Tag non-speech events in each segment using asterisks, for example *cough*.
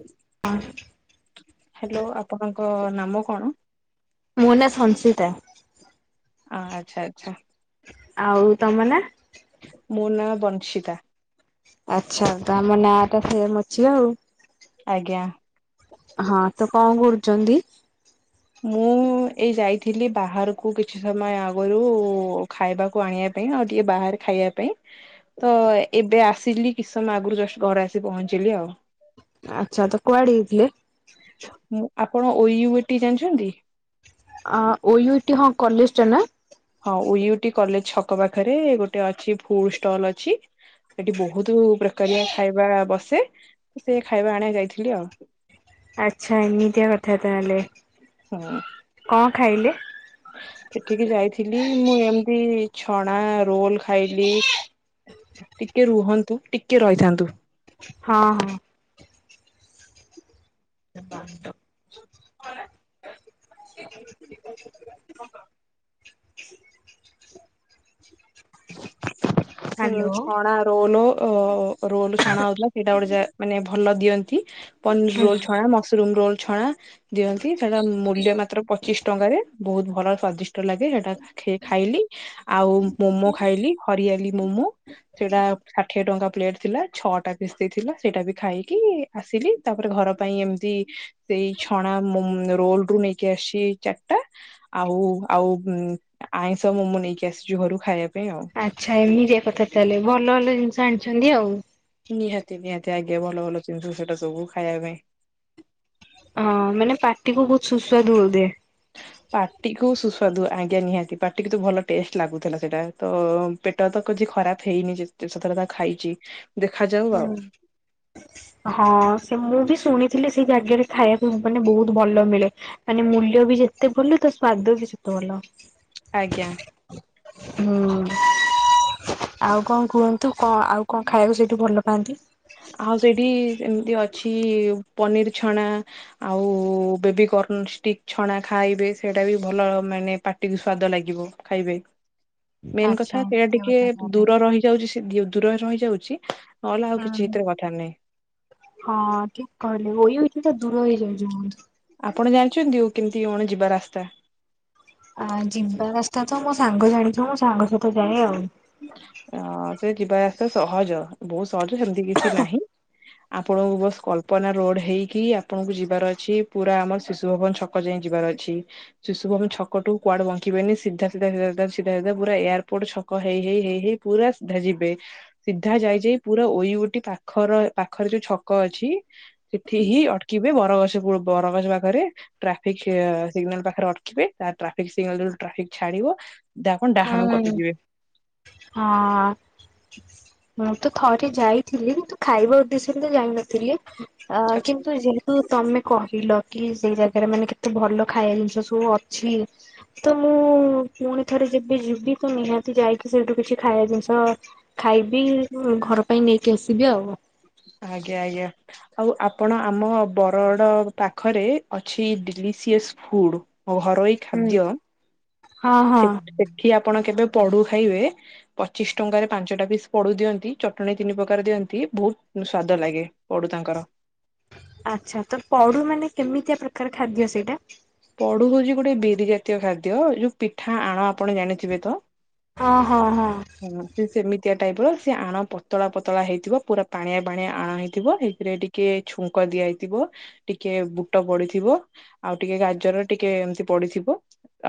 ହଜ୍ା ଆ ହ୍ୟାଲୋ ଆପଣଙ୍କ ନାମ କଣ? ମୋ ନାଁ ସଞ୍ଚିତା। ଆ ଆଚ୍ଛା ଆଚ୍ଛା। ଆଉ ତମ ନାଁ? ମୋ ନାଁ ବଂଶିତା। ଆଛା ଆମ ନାଁ ଟା ସେମ୍ ଅଛି ଆଉ ଆଜ୍ଞା। ହଁ ତ କଣ କରୁଛନ୍ତି? ମୁଁ ମୁଁ ଏଇ ଯାଇଥିଲି ବାହାରକୁ କିଛି ସମୟ ଆଗରୁ ଖାଇବାକୁ ଆଣିବା ପାଇଁ ଆଉ ଟିକେ ବାହାରେ ଖାଇବା ପାଇଁ ତ ଏବେ ଆସିଲି କିଛି ସମୟ ଆଗରୁ ଜଷ୍ଟ ଘରେ ଆସି ପହଞ୍ଚିଲି ଆଉ। ଆଚ୍ଛା ତ କୁଆଡେ ହେଇଥିଲେ? ଆପଣ ଓୟୁ ଏ ଟି ଜାଣିଛନ୍ତି? ଅ ଓୟୁ ଇ ଟି ହଁ କଲେଜ ଟା ନା? ହଁ ଓୟୁଟି କଲେଜ ଛକ ପାଖରେ ଗୋଟେ ଅଛି ଫୁଲ ଷ୍ଟଲ୍ ଅଛି। ସେଠି ବହୁତ ପ୍ରକାରିଆ ଖାଇବା ବସେ ସେ ଖାଇବା ଆଣିବା ଯାଇଥିଲି ଆଉ। ଆଚ୍ଛା ଏମିତିଆ କଥା ତାହେଲେ। ହଁ। କଣ ଖାଇଲେ? ସେଠିକ ଯାଇଥିଲି ମୁଁ ଏମିତି ଛଣା ରୋଲ ଖାଇଲି। ଟିକେ ରୁହନ୍ତୁ ଟିକେ ରହିଥାନ୍ତୁ। ହଁ ହଁ। ! ! ! ! ! ! ! ! ! ! *unintelligible* ହ୍ୟାଲୋ ଛଣା ରୋଲ ଅ ରୋଲ ଛଣା ହଉଥିଲା ସେଇଟା ଗୋଟେ ଯା ମାନେ ଭଲ ଦିଅନ୍ତି। ପନିର ହୁଁ ରୋଲ ଛଣା ମସରୁମ ରୋଲ ଛଣା। ଦିଅନ୍ତି ସେଟା ମୂଲ୍ୟ ମାତ୍ର ପଚିଶି ଟଙ୍କାରେ ବହୁତ ଭଲ ସ୍ଵାଦିଷ୍ଟ ଲାଗେ ସେଟା ଖାଇଲି। ଆଉ ମୋମୋ ଖାଇଲି ହରିଆଲି ମୋମୋ ସେଇଟା ଷାଠିଏ ଟଙ୍କା ପ୍ଲେଟ ଥିଲା ଛଅ ଟା ପିସ୍ ଦେଇଥିଲା ସେଇଟା ବି ଖାଇକି ଆସିଲି ତାପରେ ଘର ପାଇଁ ଏମିତି ସେଇ ଛଣା ରୋଲ ରୁ ନେଇ ଆ ଆସି ଚାରିଟା ଆଉ ଆଉ ଆଇଁଷ ମମୋ ନେଇକି ଆସିଛି ଘରୁ ଖାଇବା ପାଇଁ ଆଉ ଆଚ୍ଛା ଏମିତି କଥା ତାହେଲେ ଭଲ ଭଲ ଜିନିଷ ଆଣିଛନ୍ତି ଆଉ ନିହାତି ନିହାତି ଆଜ୍ଞା ଭଲ ଭଲ ଜିନିଷ ସେଟା ସବୁ ଖାଇବା ପାଇଁ ହଁ ମାନେ ପାଟିକୁ ବହୁତ ସୁସ୍ୱାଦୁ ର ଦିଏ ପାଟିକୁୁ ସୁସ୍ୱାଦୁ ଆଜ୍ଞା ନିହାତି ପାଟିକୁ ତ ଭଲ ଟେଷ୍ଟ ଲାଗୁଥିଲା ସେଇଟା ତ ପେଟ ତ କିଛି ଖରାପ ହେଇନି ଯେ ସେଥରେ ତା ଖାଇଛି ଦେଖାଯାଉ ଆଉ ହଁ ସେ ମୁଁ ବି ଶୁଣିଥିଲି ସେଇ ଜାଗାରେ ଖାଇବାକୁ ମାନେ ବହୁତ ଭଲ ମିଳେ ମାନେ ମୂଲ୍ୟ ବି ଯେତେ ଭଲ ତ ସ୍ଵାଦ ବି ସେତେ ଭଲ ଆଜ୍ଞା ହୁଁ ଆଉ କଣ କୁହନ୍ତୁ କଣ ଆଉ କଣ ଖାଇବାକୁ ସେଇଠୁ ଭଲ ପାଆନ୍ତି ଆଉ ସେଇଠି ଏମିତି ଅଛି ପନିର ଛଣା ଆଉ ବେବିକଣଷ୍ଟିକ ଛଣା ଖାଇବେ ସେଇଟା ବି ଭଲ ମାନେ ପା ଟିକେ ସ୍ଵାଦ ଲାଗିବ ଖାଇବା ମେନ୍ ଆଚ୍ଛା କଥା ସେଇଟା ଏମିତି ଟିକେ କଥା ତାହେଲେ ଦୂର ରହିଯାଉଛି ଦୂରରେ ରହିଯାଉଛି ନହେଲେ ଆଉ କିଛି ହୁଁ ଏଥିରେ କଥା ନାହିଁ। ହଁ ହଁ ଠିକ କହିଲେ ଇ ଇଠ ତ ଦୂର ହେଇଯାଉଏଛି ଆପଣ ଜାଣିଛନ୍ତି ଆଉ କେମିତି କଣେ ଯିବା ରାସ୍ତା ଆ ଜିବା ରାସ୍ତା ତ ମୋ ସାଙ୍ଗ ଜାଣିଛ ମୋ ସାଙ୍ଗ ସହିତ ଯାଏ ଆଉ ଅ ସେ ଯିବାସ୍ତେ ସହଜ ବହୁତ ସହଜ ସେମତି କିଛି ନାହିଁ ଆପଣଙ୍କୁ ବସ କଳ୍ପନା ରୋଡ ହେଇକି ଆପଣଙ୍କୁ ଯିବାର ଅଛି ପୁରା ଆମର ଶିଶୁ ଭବନ ଛକ ପୋକ ଯାଇଁ ଯିବାର ଅଛି ଶିଶୁ ଭମ କ ଟୁଆଡେଙ୍କିିବନି ସିଧା ସିଧ ସିଧ ସିଧ ସିଧା ପୁର ଏୟାରପୋର୍ଟ ଛକ ହେଇ ହେଇ ହେଇ ହେଇ ପୁରାଧା ଯିବେ ସିଧା ଯାଇଯାଇ ପୁରା ଇ ଗୋଟେ ପାଖର ପାଖରେ ଯୋଉ ଛକ ଅଛି ଠିକଁ ଅଟକିବେ ବରଗଛ ବରଗଛ ପାଖରେ ଟ୍ରାଫିକ ସିଗ୍ନାଲ ପାଖରେ ଅଟିବେ ଟ୍ରାିକ ଟ୍ରାଫିକ୍ ଛାଡିବ ଯା କଣ ଡାହାଣ ହୁଁ। କଟିଯିବେ ହଁ ମୁଁ ତ ଥରେ ଯାଇଥିଲି କିନ୍ତୁ ଖାଇବା ଉଦ୍ଦେଶ୍ୟରେ ତ ଯାଇନଥିଲି ଅ ଆଚ୍ଛା। କିନ୍ତୁ ଯ ତ ତମେ କହିଲ କି ସେଇ ଜାଗାରେ ମାନେ କେତେ ଭଲ ଖାଇବା ଜିନିଷ ସବୁ ଅଛି ତ ମୁଁ ପୁଣି ଥରେ ଯିବି ଯିବି ବି ତ ନିହାତି ଯାଇକି ସେଇଠୁ କିଛି ଖାଇବା ଜିନିଷ ଖାଇବି ଘର ପାଇଁ ନେଇକି ଆସିବି ଆଉ ଆ୍ଞ ଆଜ୍ଞା ଆଉ ଆପଣ ଆମ ବରଡ଼ ପାଖରେ ଅଛି ଡଲିସିଅସ୍ ଫୁଡ ଘରୋଇ ହୁଁ। ଖାଦ୍ୟ ହଁ ହଁ ସେଠି ଆପଣ କେବେ ପଢୁ ଖାଇବେ ପଚିଶ ଟଙ୍କାରେ ପାଞ୍ଚଟା ପିସ୍ ପଡୁ ଦିଅନ୍ତି ଚଟଣିୀ ତିନି ପ୍ରକାର ଦିଅନ୍ତି ବହୁତ ସ୍ଵାଦ ଲାଗେ ପଢୁ ତାଙ୍କର ଆଚ୍ଛା ତ ପଡୁ ମାନେ କେମିତିଆ ପ୍ରକାର ଖାଦ୍ୟ ସେଇଟା ପଡୁ ହଉଛି ଗୋଟେ ବିରି ଜାତୀୟ ଖାଦ୍ୟ ଯୋଉ ପିଠା ଆଣ ଆପଣ ଜାଣିଥିବେ ତ ହଁ ହଁ ହଁ ହଁ ସେ ସେମିତିଆ ଟାଇପ ର ସେ ଆଣ ପତଳା ପତଳା ହେଇଥିବ ପୁରା ପାଣିଆ ପାଣିଆ ଆଣ ହେଇଥିବ ଏଇଥିରେ ଏଠିକ ଟିକେ ଛୁଙ୍କ ଦିଆ ହୋଇଥିବ ଟିକେ ବୁଟ ପଡିଥିବ ଆଉ ଟିକେ ଗା ଜର ଟିକେ ଏମିତି ପଡିଥିବ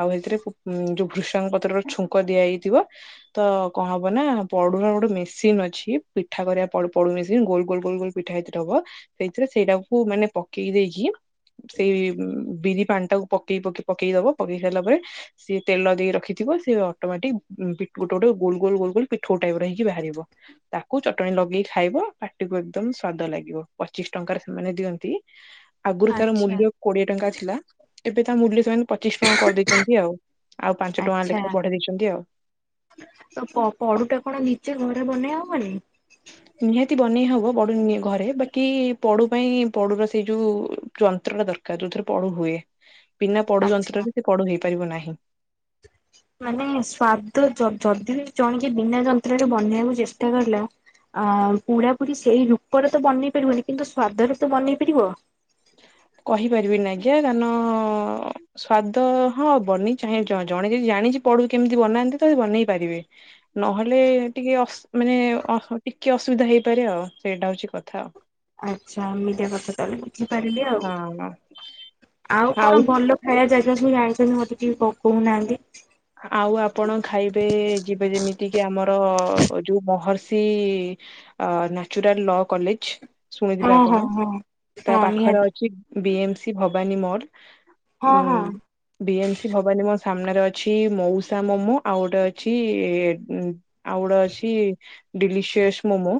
ଆଉ ସେଥିରେ ଯୋଉ ଭୃଷାଙ୍ଗ ପତ୍ରର ଛୁଙ୍କ ଦିଆଯାଇଥିବ ତ କଣ ହବ ନା ପଡୁର ଗୋଟେ ମେସିନ୍ ଅଛି ପିଠା କରିବା ପଡୁ ମେସିନ ଗୋଲ ଗୋଲ ଗୋଲ ଗୋଲ ପିଠା ହେଇଥିରେ ହବ ସେଇଥିରେ ସେଇଟାକୁ ମାନ ପକେଇ ଦେଇକି ସେଇ ଉଁ, ବିରି ପାଣି ଟା କୁ ପକେଇ ପକେଇ ପକେଇ ଦବ। ପକେଇ ସାରିଲା ପରେ ସିଏ ତେଲ ଦେଇ ରଖିଥିବ ସିଏ ଅଟୋମେଟିକ୍ ଉଁ, ପି-ଗୋଟେ ଗୋଟେ ଗୋଲ ଗୋଲ ଗୋଲ ପିଠଉ ଟାଇପ୍ ର ହେଇକି ବାହାରିବ। ତାକୁ ଚଟଣୀ ଲଗେଇ ଖାଇବ, ପାଟିକୁ ଏକଦମ ସ୍ଵାଦ ଲାଗିବ। ପଚିଶ ଟଙ୍କାରେ ସେମାନେ ଦିଅନ୍ତି। ଆଗରୁ ତାର ଆଚ୍ଛା ମୂଲ୍ୟ କୋଡିଏ ଟଙ୍କା ଥିଲା। ଏବେ ତା ମୂଲ୍ୟ ସେମାନେ ପଚିଶ ଟଙ୍କା କରିଦେଇଛନ୍ତି ଆଉ। ଆଉ ପାଞ୍ଚ ଟଙ୍କା ଆଚ୍ଛା। ଲେଖେ ବଢେଇ ଦେଇଛନ୍ତି ଆଉ। ତ ପ-ପଡୁ ଟା କଣ ନିଜେ ଘରେ ବନେଇ ହବନି? ନିହାତି ବନେଇ ହବ ବଡୁ ନିଏ ଘରେ। ବାକି ପଡୁ ପାଇଁ ପଡୁର ସେଇ ଯୋଉ ଯନ୍ତ୍ର ଟା ଦର କାର ଯୋଉଥିରେ ପଡୁ ହୁଏ। ବିନା ପଡୁ ଆଚ୍ଛା ଯନ୍ତ୍ରରେ ସେ ପଡୁ ହେଇପାରିବ ନାହିଁ। *inaudible* ମାନେ ସ୍ଵାଦ ଯ-ଯଦି ଜଣ କେ ବିନା ଯନ୍ତ୍ରରେ ବନେଇବାକୁ ଚେଷ୍ଟା କଲା। ଆଁ, ପୁଢା ପୁୁରି ସେଇ ରୂପରେ ତ ବନେଇ ପାରିବନି। କିନ୍ତୁ ସ୍ଵାଦରେ ତ ବନେଇ ପାରିବ। କହିପାରିବିନି ଆଜ୍ଞା କାନ ସ୍ଵାଦ ହଁ ବନେଇ ଚାହେଁ ଜ-ଜଣେ ଯଦି ଜାଣିଚି ପଡୁ କେମିତି ବନାନ୍ତି ତ ସେ ବନେଇ ପାରିବେ। ନହେଲେ ଟିକେ ଅସ୍ ମାନେ ଅସ ଟିକେ ଅସୁବିଧା ହେଇପାରେ ଆଉ ସେଇଟା ହଉଛି କଥା। ଆଚ୍ଛା, ଏମିତିଆ କଥା ତାହେଲେ, ବୁଝିପାରିଲି ଆଉ। ହଁ ଆଉ କଣ ଭଲ ଖାଇବା ଜାଗା ସବୁ ଯାଣିଛନ୍ତି ମୋତେ ଟିକେ କ- କହୁନାହାନ୍ତି? ଆଉ ଆପଣ ଖାଇବେ ଯିବେ ଯେମିତି କିି ଆମର ଯୋଉ ମହର୍ଷି ଅ, ନେଚୁରାଲ୍ ଲ କଲେଜ୍ ଶୁଣିଥିବେ ହଁ ହଁ ଆପଣ ହଁ ତା ହଁ ପାଖର ନିହାତି ଅଛି ବି ଏମ୍ ସି ଭବାନୀ ମୋଡ୍ ହଁ ହଁ ଉଁ, ବି ଏମ୍ ସି ଭବାନୀ ମୋ ସାମ୍ନାରେ ଅ ଛି। ମଉସା ମୋମୋ, ଆଉ ଗୋଟେ ଅଛି ଏ ଉଁ, ଆଉ ଗୋଟେ ଅଛି ଡିଲିସିଅସ୍ ମୋମୋ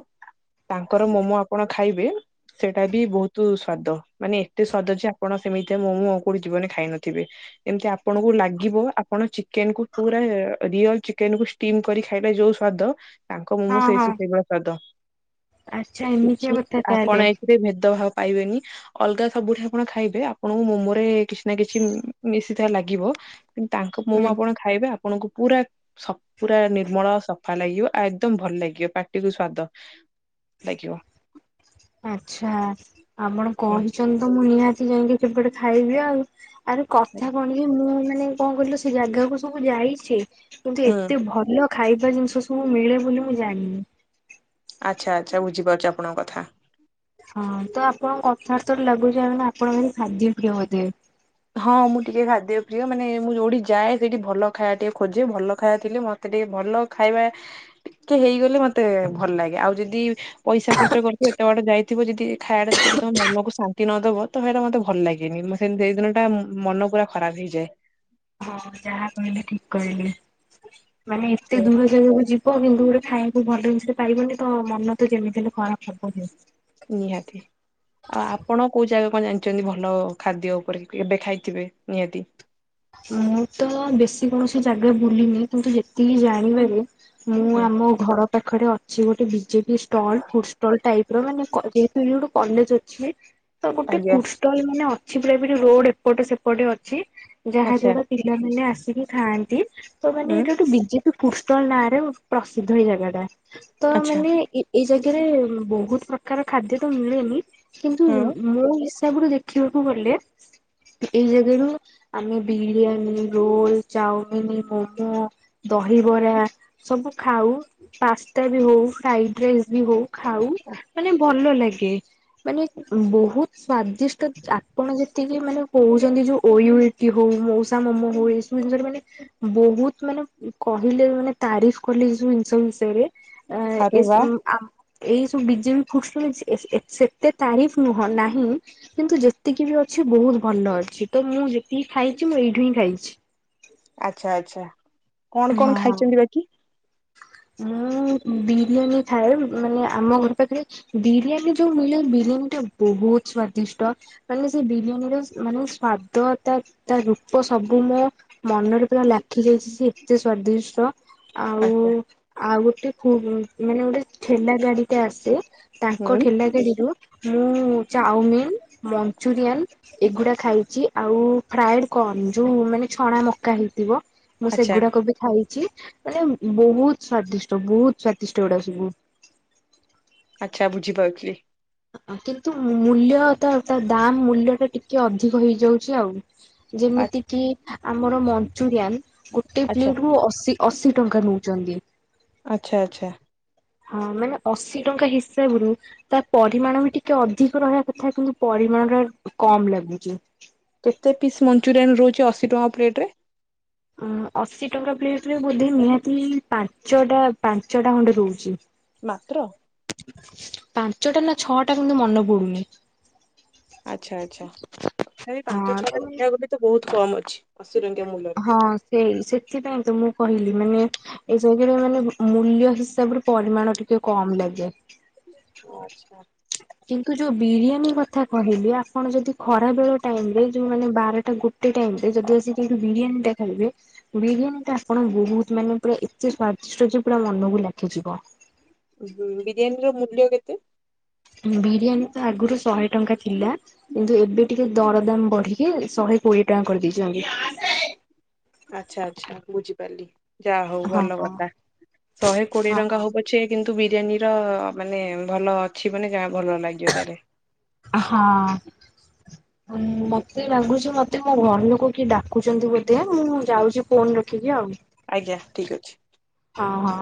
ତାଙ୍କର ମୋମୋ ଆପଣ ଖାଇବେ। ସେଟା ବି ବହୁତୁ ସ୍ଵାଦ, ମାନେ ଏତେ ସ୍ଵାଦ ଯେ ଆପଣ ସେମିତିଆ ମୋମୋ କୋଉଠି ଜୀବନେ ଖାଇନଥିବେ। ଏମତି ଆପଣଙ୍କୁ ଲାଗିବ ଆ ପଣ ଚିକେନ୍ କୁ ପୁରା ରିୟଲ୍ ଚିକେନ୍ କୁ ସ୍ଟିମ୍ କରି ଖାଇଲେ ଯୋଉ ସ୍ଵାଦ ତାଙ୍କ ମୋମୋ ହଁ ସେଇ ହଁ ସୁୁ ସେଇଭଳିଆ ସ୍ବାଦ। ଆଚ୍ଛା କିଛି ଏମିତିଆ କଥା ଆପଣ ତାହେଲେ ଏ *inaudible* ସେ ଭେଦଭାବ ପାଇବେନି। ଅଲଗା ସବୁଠି ଆପଣ ଖାଇବେ ଆପଣଙ୍କୁ ମୋମୋ ରେ କିସ୍ ନା କିଛି ଉଁ, ମିଶିଥା ଲାଗିବ। କିନ୍ତୁ ତାଙ୍କ ମୋମ ହୁଁ। ଆପଣ ଖାଇବେ ଆପଣଙ୍କୁ ପୁରା ସ-ପୁରା ନିର୍ମଳ ସଫା ଲାଗିବ ଆଉ ଏକଦମ୍ ଭଲ ଲାଗିବ ପାଟିକୁୁ ସ୍ଵାଦ। ଲାଗିବ। ଆଚ୍ଛା ଆପଣ ହୁଁ କହିଛନ୍ତି ତ ମୁଁ ନିହାତି ଯାଇକି କେବେ ଗୋଟେ ଖାଇବି ଆଉ। ଆରେ କଥା କଣିକି ମୁଁ ମାନେ କଣ କହିଲ ସେ ଜାଗାକୁ ସବୁ ଯାଇଛି। କିନ୍ତୁ ହୁଁ ଏତେ ଭଲ ଖାଇବା ଜିନିଷ ସବୁ ମିଳେ ବୋଲି ମୁଁ ଜାଣିନି। ଆଚ୍ଛା, ଆଚ୍ଛା, ବୁଝିପାରୁଚି ଆପଣଙ୍କ କଥା। ହଁ ତ ଆପଣଙ୍କ କଥାବାର୍ତ୍ତ ରୁ ଲାଗୁଛି ଆ, ମାନେ ଆପଣ ଭାରି ଖାଦ୍ୟ ପ୍ରିୟ ବୋଧେ? ହଁ ମୁଁ ଟିକେ ଖାଦ୍ୟ ପ୍ରିୟ। ମାନେ ମୁଁ ଯୋଉଠି ଯାଏ ସେଇଠି ଭଲ ଖାଇବା ଟିକେ ଖୋଜେ। ଭଲ ଖାଇବା ଥିଲେ ମୋ ତେ ଟିକେ ଭଲ ଖାଇବା ଟିକେ ହେଇଗଲେ ମୋତେ ଭଲ ଲାଗେ। ଆଉ ଯଦି ପଇସା ଖର୍ଚ୍ଚ କରିଥିବ, ଏତେ ବାଟ ଯାଇଥିବ ଯଦି ଖାଇବା ଟା ସେତିକି ତୋମ ମନକୁ ଶାନ୍ତି ନ ଦବ। ତ ସେଇଟା ମୋତେ ଭଲ ଲାଗେନି। ମୋ ସେନ୍ ସେଇ ଦିନ ଟା ଉଁ, ମନ ପୁରା ଖରାପ ହେଇଯାଏ। ହଁ ଯାହା କହିଲେ ଠିକ କହିଲେ। ମାନେ ଏତେ ଦୂର ଜାଗାକୁ ଯିବ କିନ୍ତୁ ଗୋଟେ ଖାଇବାକୁ ଭଲ ଜିନିଷ ପାଇବନି ତ ମନ ତ ଯେମିତି ହେଲେ ଖରାପ ହବ ହିଁ। ନିହାତି। ଆଉ ଆପଣ କୋଉ ଜାଗା କଣ ଜାଣିଛନ୍ତି ଭଲ ଖାଦ୍ୟ ଉପରେ କି ଏବେ ଖାଇଥିବେ ନିହାତି? ମୁଁ ତ ବେଶୀ କୌଣସି ଜାଗା ବୁଲିନି। କିନ୍ତୁ ଯେତିକି ଜାଣିବାରେ ମୁଁ ହୁଁ। ଆମ ଘର ପାଖରେ ଅଛି ଗୋଟେ ବିଜେପ ଷ୍ଟଲ୍ ଫୁଡ୍ ଷ୍ଟଲ୍ ଟାଇପ୍ ର ମାନେ କ- ଯେ ସେଇଠି ଗୋଟେ କଲେଜ୍ ଅଛି। ତ ଗୋଟେ ଆଜ୍ଞା ଫୁଡ୍ସ ଟଲ ମାନେ ଅଛି ପୁରା ଏପଟେ ରୋଡ୍ ଏପଟେ ସେପଟେ ଅଛି। ଯାହା ଆଚ୍ଛା ଦ୍ବାରା ପିଲାମାନେ ଆସିକି ଖାଆନ୍ତି। ତ ମାନେ ଉଁ ଏଇଠା ଗୋଟେ ବିଜେ ଫୁଡ୍ ଷ୍ଟଲ୍ ନାଁ ରେ ପ୍ରସିଦ୍ଧ ଏଇ ଜାଗା ଟା। ତ ଆଚ୍ଛା ମାନେ ଏ ଏଇ ଜାଗାରେ ବହୁତ ପ୍ରକାର ଖାଦ୍ୟ ତ ମିଳେନି କିନ୍ତୁ ହୁଁ ମୁୋ ହିସାବରୁଖ ଦେଖିବାକୁ ଗଲେ ଏଇ ଜାଗାରୁ ଆମେ ବିରିୟାନୀ ରୋଲ ଚାଉମିନ ମୋମୋ ଦହିବରା ସବୁ ଖାଉ ପାସ୍ତା ବି ହଉ ଫ୍ରାଇଡ ରାଇସ୍ ବି ହଉ ଖାଉ ମାନେ ଭଲ ଭଲ ଲାଗେ ମାନେ ବହୁତ ସ୍ଵାଦିଷ୍ଟ ଆପଣ ଯେତିକି ମାନେ କହୁଛନ୍ତି ଯୋଉୟୁ ହଉ ମଉସା ମୋ ହଉ ଏଇସବୁ ଜିନିଷରେ ମାନେ ବହୁତ ମାନେ କହିଲେ ମାନେ ତାରିଫ କଲେ ଏ ଯବୁ ଜିନିଷ ବିଷୟରେ ଆରେ ଅ ବା ଏ ଏଇ ସବୁ ବିଜେପି ଖ ସେତେ ତାରିଫ ନୁହଁ ନାହିଁ କିନ୍ତୁ ଯେତିକି ବି ଅଛି ବହୁତ ଭଲ ଅଛି ତ ମୁଁ ଯେତିକି ଖାଇଛି ମୁଁ ଏଇଠୁ ହିଁ ଖାଇଛି ଆଚଛା ଆଚ୍ଛା କଣ କଣ ହଁ। ଖାଇଛନ୍ତି ବାକି ମୁଁ ବିରିୟାନୀ ଖଥାଏ ମାନେ ଆମ ଘର ପାଖରେ ବିରିୟାନୀ ଯୋଉ ମିଳେ ବିରିୟାନୀ ଟା ବହୁତ ସ୍ଵାଦିଷ୍ଟ ମାନେ ସେ ବିରିୟାନୀର ମାନେ ସ୍ଵାଦ ତା ତା ରୂପ ସବୁ ମୋ ମନରେ ପୁରା ଲାଖି ଯାଇଛି ସେ ଏତେ ସ୍ଵାଦିଷ୍ଟ ଆଉ ଆଚ୍ଛା ଆଉ ଗୋଟେ ମାନେ ଗୋଟେ ଠେଲା ଗାଡି ମତେ ଆସେ ତାଙ୍କ ହୁଁ ଠେଲା ଗେରିରୁ ମୁଁ ଚାଉମିିନ ମଞ୍ଚୁରିଆନ ଏଗୁଡା ଖାଇଛି ଆଉ ଫ୍ରାଏଡ କରଣ ଯୋଉ ମାନେ ଛଣା ମକା ହେଇଥିବ ମୁଁ ଆଚ୍ଛା ସେଗୁଡାକ ବି ଖାଇଛି ମାନେ ବହୁତ ସ୍ଵାଦିଷ୍ଟ ବହୁତ ସ୍ଵାଦିଷ୍ଟ ଗୁଡା ସବୁ ଆଚ୍ଛା ବୁଝିପାରୁଥିଲି କିନ୍ତୁ ମୂଲ୍ୟ ତ ତା ଦାମ୍ ମୂଲ୍ୟ ଟା ଟିକେ ଅଧିକ ହେଇଯାଉଛି ଆଉ ଆଚ୍ଛା ଯେମିତି କି ଆମର ମଞ୍ଚୁରିଆ ଗୋଟେ ଆଚ୍ଛା ପ୍ଲେଟ ରୁ ଅ ଅଶୀ ଟଙ୍କା ନେଉଛନ୍ତି ଆଚ୍ଛା ଆଚ୍ଛା ହଁ ମାନେ ଅଶୀ ଟଙ୍କା ହିସାବରୁ ତା ପରିମାଣ ବି ଟିକେ ଅଧିକ ରହିବା କଥା କିନ୍ତୁ ପରିମାଣ ଟା କମ ଲାଗୁଛି କେତେ ପିସ୍ ମଞ୍ଚୁରିଆନ୍ ରହୁଛି ଅଶୀ ଟଙ୍କା ପ୍ଲେଟରେ ଅଶୀ ଟଙ୍କା ପ୍ଲେଟ ରେ ବୋଧେ ନିହାତି ପାଞ୍ଚଟା ପାଞ୍ଚଟା ଖଣ୍ଡେ ଦଉଛି ମାତ୍ର ପାଞ୍ଚଟା ନା ଛଅ ଟା କିନ୍ତୁ ମନେ ପଡୁନି ଆଚ୍ଛା ଆଚ୍ଛା ତଥାପି ପାଞ୍ଚ ହଁ ତ ଛଟା ମାନେ ଦେଖିବା ଗଲେ ତ ବହୁତ କମ ଅଛି ଅଶୀ ଟଙ୍କିଆ ମୂଲ୍ୟରେ ହଁ ସେ ସେଥିପାଇଁ ତ ମୁଁ କହିଲି ମାନେ ଏସଥିରେ ମାନେ ମୂଲ୍ୟ ହିସାବରେ ପରିମାଣ ଟିକେ କମ ଲାଗେ ଓ ଆଚ୍ଛା କିନ୍ତୁ ଯୋଉ ବିରିୟାନୀ କଥା କହିଲି ଆପଣ ଯଦି ଖରା ବେଳ ଟାଇମ ରେ ଯୋଉ ମାନେ ବାରଟା ଗୋେ ଗୋଟ ଟାଇ ରେ ଯଦି ଆିକଠି ବିରିୟାନୀ ଟା ଖାଇବେ ବିରିୟାନୀ ତ ଆପଣ ବହୁତ ମାନେ ପୁରା ଏତେ ସ୍ଵାଦିଷ୍ଟ ଯେ ପୁରା ମନକୁ ଲାଖିଯିବ ଁ ବିରିୟାନୀର ମୂଲ୍ୟ କେତେ ବିରିୟାନୀ ତ ଆଗରୁ ଶହେ ଟଙ୍କା ଥିଲା କିନ୍ତୁ ଏବେ ଟିକେ ଦର ଦାମ ବଢିକି ଶହେ କୋଡିଏ ଟଙ୍କା କରିଦେଇଛନ୍ତି ଆଚଛା ଆଚଛା ବୁଝିପାରିଲି ଯାହା ହଉ ହଁ। ଭଲ କଥା ଶହେ କୋଡିଏ ହଁ। ଟଙ୍କା ହବ ଛ କିନ୍ତୁ ବିରିୟାନୀର ମାନେ ଭଲ ଅଛି ମାନେ ଯା ଭଲ ଲାଗିବ ତାହେଲେ ହଁ ମତେ ଲାଗୁଛି ମତେ ମୋ ଘର ଲୋକ କିଏ ଡାକୁଛନ୍ତି ବୋଧେ ମୁଁ ଯାଉଛି ଫୋନ ରଖିକି ଆଉ। ଆଜ୍ଞା ଠିକ୍ ଅଛି। ହଁ ହଁ।